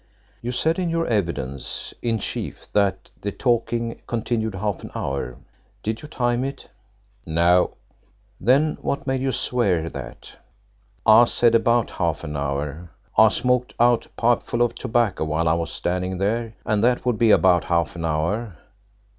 "You said in your evidence in chief that the talking continued half an hour. Did you time it?" "No." "Then what made you swear that?" "I said about half an hour. I smoked out a pipeful of tobacco while I was standing there, and that would be about half an hour."